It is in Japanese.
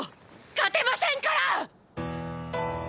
勝てませんから！！